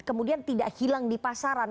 kemudian tidak hilang di pasaran